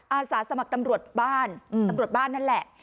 อาสาสมัครตำรวจบ้านตำรวจบ้านนั่นแหละ